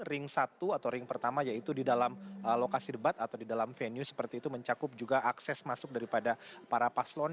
ring satu atau ring pertama yaitu di dalam lokasi debat atau di dalam venue seperti itu mencakup juga akses masuk daripada para paslon